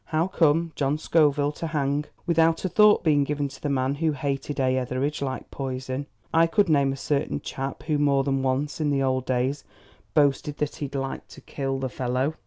How came John Scoville to hang, without a thought being given to the man who hated A. Etheridge like poison? I could name a certain chap who more than once in the old days boasted that he'd like to kill the fellow.